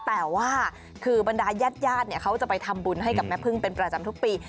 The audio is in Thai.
แต่ว่าคือบรรดายาดเขาจะไปทำบุญให้กับแม่พึ่งเป็นประจำทุกปี